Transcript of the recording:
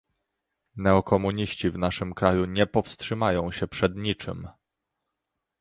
Neokomuniści w naszym kraju nie powstrzymają się przed niczym